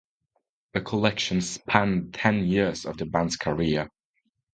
The collection spanned ten years of the band's career.